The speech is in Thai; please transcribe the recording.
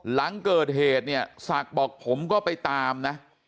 หลังเกิดเหตุเนี่ยศักดิ์บอกผมก็ไปตามนะ